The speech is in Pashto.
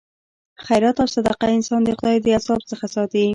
خیرات او صدقه انسان د خدای د عذاب څخه ساتي.